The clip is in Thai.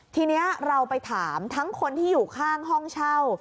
ทีนี้เราไปถามทั้งคนที่อยู่ข้างห้องเช่า